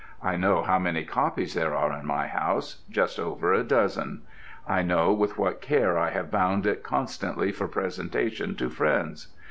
I know how many copies there are in my house just over a dozen. I know with what care I have bound it constantly for presentation to friends.